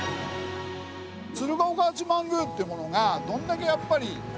鶴岡八幡宮ってものがどんだけやっぱり尊いか。